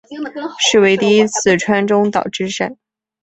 是为第一次川中岛之战。